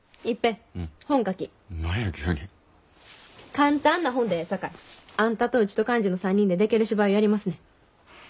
簡単な台本でええさかいあんたとうちと寛治の３人ででける芝居をやりますね。